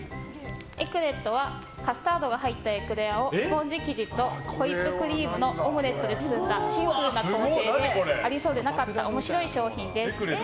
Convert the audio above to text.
エクレットはカスタードが入ったエクレアをスポンジ生地とホイップクリームのオムレットで包んだシンプルな構成でありそうでなかった面白い商品です。